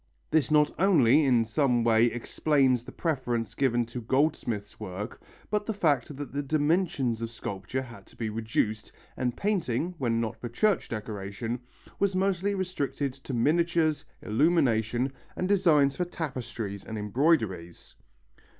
This not only in some way explains the preference given to goldsmiths' work but the fact that the dimensions of sculpture had to be reduced, and painting, when not for church decoration, was mostly restricted to miniatures, illumination, and designs for tapestries and embroideries.